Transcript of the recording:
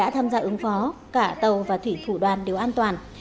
tham gia ứng phó cả tàu và thủy thủ đoàn đều an toàn